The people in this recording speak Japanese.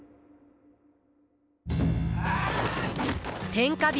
天下人